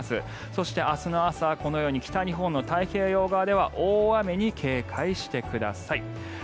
そして、明日の朝このように北日本の太平洋側では大雨に警戒してください。